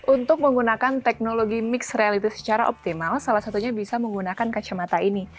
untuk menggunakan teknologi mixed reality secara optimal salah satunya bisa menggunakan kacamata ini